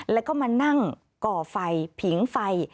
แล้วก็มานั่งก่อไฟผิงไฟ